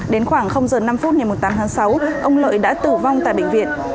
đến khoảng h năm phút ngày một mươi tám tháng sáu ông lợi đã tử vong tại bệnh viện